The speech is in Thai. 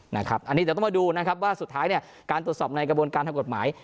อันนี้เดี๋ยวก็มาดูว่าสุดท้ายการตรวจสอบในกระบวนการทำกฎหมาย